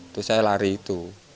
terus saya lari itu